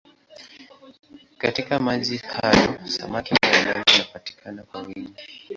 Katika maji hayo samaki mbalimbali wanapatikana kwa wingi.